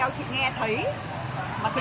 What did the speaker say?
mà thực sự chị nhìn thấy người ta làm luôn